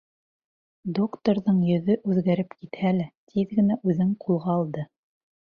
Докторҙың йөҙө үҙгәреп китһә лә, тиҙ генә үҙен ҡулға алды.